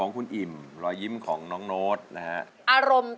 นักสู้ชีวิตแต่ละคนก็ฝ่าฟันและสู้กับเพลงนี้มากก็หลายรอบ